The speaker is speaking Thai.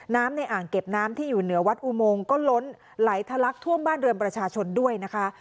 ในอ่างเก็บน้ำที่อยู่เหนือวัดอุโมงก็ล้นไหลทะลักท่วมบ้านเรือนประชาชนด้วยนะคะ